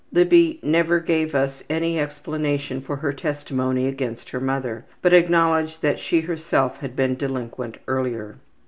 Libby never gave us any explanation for her testimony against her mother, but acknowledged that she herself had been delinquent earlier.